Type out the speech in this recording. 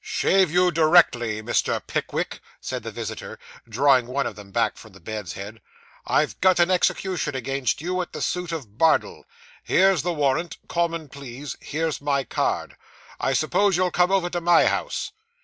'Shave you directly, Mr. Pickwick,' said the visitor, drawing one of them back from the bed's head. 'I've got an execution against you, at the suit of Bardell. Here's the warrant. Common Pleas. Here's my card. I suppose you'll come over to my house.